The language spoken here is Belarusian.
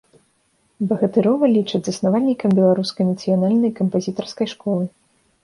Багатырова лічаць заснавальнікам беларускай нацыянальнай кампазітарскай школы.